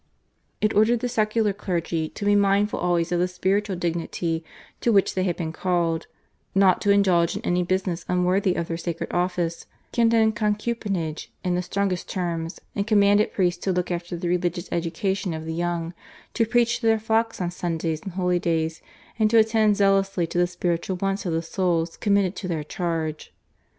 It ordered the secular clergy to be mindful always of the spiritual dignity to which they had been called, not to indulge in any business unworthy of their sacred office, condemned concubinage in the strongest terms, and commanded priests to look after the religious education of the young, to preach to their flocks on Sundays and holidays, and to attend zealously to the spiritual wants of the souls committed to their charge.